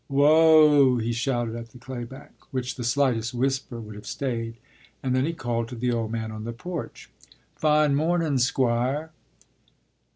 “Whoa!” he shouted at the claybank, which the slightest whisper would have stayed; and then he called to the old man on the porch, “Fine mornun', Squire!